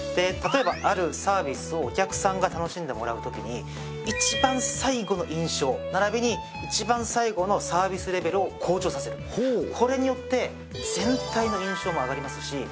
例えばあるサービスをお客さんが楽しんでもらうときに一番最後の印象ならびに一番最後のサービスレベルを向上させるわあ来てよかったわあ